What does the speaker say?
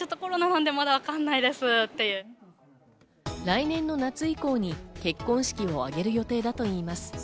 来年の夏以降に結婚式を挙げる予定だといいます。